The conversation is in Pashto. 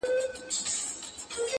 خوگراني زه نو دلته څه ووايم_